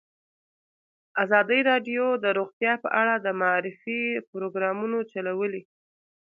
ازادي راډیو د روغتیا په اړه د معارفې پروګرامونه چلولي.